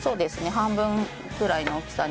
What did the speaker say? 半分くらいの大きさに。